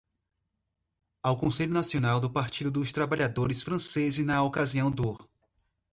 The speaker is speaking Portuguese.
Ao Conselho Nacional do Partido dos Trabalhadores Franceses na Ocasião do